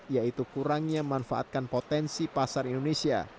yaitu kurangnya manfaatkan potensi pasar indonesia